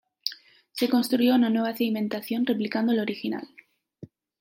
Se construyó una nueva cimentación replicando el original.